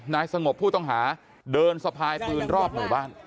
นายสงบผู้ต้องหาเดินสะพายปืนรอบหมู่บ้าน